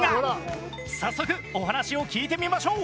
早速お話を聞いてみましょう。